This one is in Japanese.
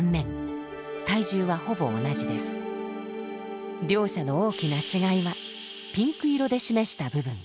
体重はほぼ同じです。両者の大きな違いはピンク色で示した部分。